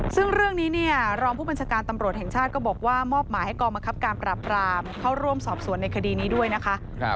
ซึ่งเรื่องนี้เนี่ยรองผู้บัญชาการตำรวจแห่งชาติก็บอกว่ามอบหมายให้กองบังคับการปราบรามเข้าร่วมสอบสวนในคดีนี้ด้วยนะคะ